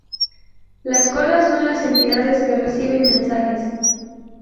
Las colas son las entidades que reciben mensajes.